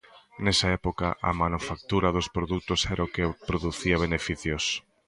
Nesa época, a manufactura dos produtos era o que producía beneficios.